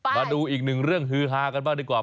มาดูอีกหนึ่งเรื่องฮือฮากันบ้างดีกว่า